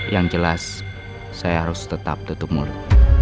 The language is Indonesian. yang jelas saya harus tetap tutup murid